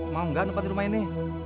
mau enggak tempat rumah ini